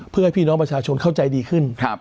เพื่อให้พี่น้องประชาชนเข้าใจดีขึ้น